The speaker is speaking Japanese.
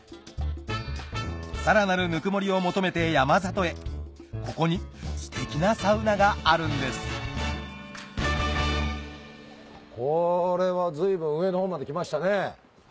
さらなるぬくもりを求めて山里へここにステキなサウナがあるんですこれは随分上の方まで来ましたね。